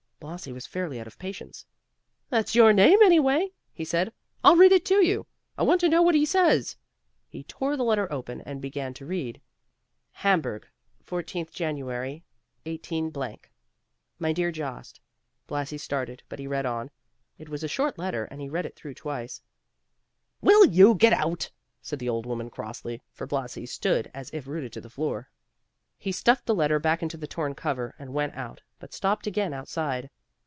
Blasi was fairly out of patience. "That's your name, any way," he said. "I'll read it to you; I want to know what he says." He tore the letter open and began to read: "HAMBURG, 14th Jan., 18 "My Dear Jost:" Blasi started, but he read on. It was a short letter, and he read it through twice. "Will you get out?" said the old woman crossly, for Blasi stood as if rooted to the floor. He stuffed the letter back into the torn cover, and went out, but stopped again outside.